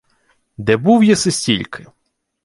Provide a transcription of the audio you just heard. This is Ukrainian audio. — Де був єси стільки?